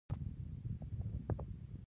څوک يې مخه نه شي نيولای.